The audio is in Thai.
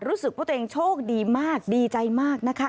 รู้สึกว่าตัวเองโชคดีมากดีใจมากนะคะ